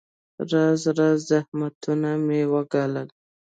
راز راز زحمتونه مې وګالل.